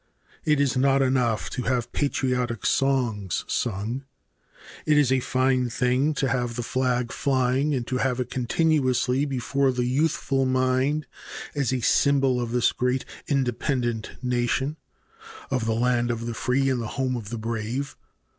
It is not enough to have patriotic songs sung. It is a fine thing to have the flag flying and to have it continuously before the youthful mind as a symbol of this great independent nation, of the land of the free and the home of the brave.